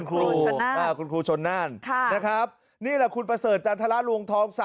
ครูชนน่านครูชนน่านค่ะนะครับนี่คุณแปรเสริมดรลวงค์ทอง